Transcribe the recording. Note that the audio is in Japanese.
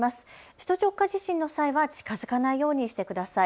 首都直下地震の際は近づかないようにしてください。